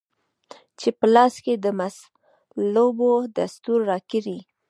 چي په لاس کې د مصلوبو دستور راکړی